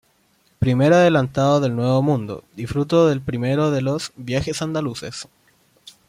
Primer Adelantado del nuevo mundo y fruto del primero de los "Viajes Andaluces".